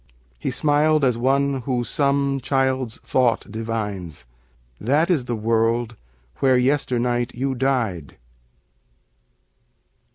He smiled as one who some child's thought divines: "That is the world where yesternight you died."